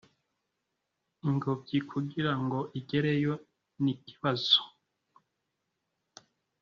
ingobyi kugira ngo igereyo ni ikibazo